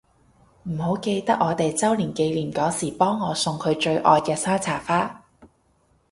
唔好唔記得我哋週年紀念嗰時幫我送佢最愛嘅山茶花